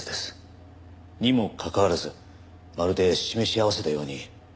にもかかわらずまるで示し合わせたように。